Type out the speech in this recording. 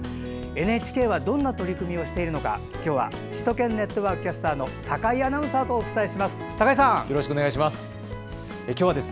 ＮＨＫはどんな取り組みをしているのか今日は「首都圏ネットワーク」キャスターのよろしくお願いします。